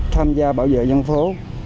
tham gia bảo vệ nhân phố